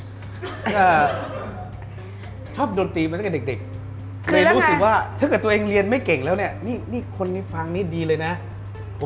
ก็ชอบดนตรีเหมือนกับเด็ก